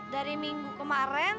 dari minggu kemarin